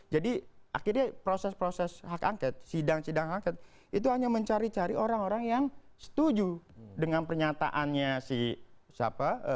jadi akhirnya proses proses hak angket sidang sidang angket itu hanya mencari cari orang orang yang setuju dengan pernyataannya si siapa